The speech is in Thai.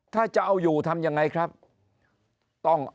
นายกรัฐมนตรีพูดเรื่องการปราบเด็กแว่น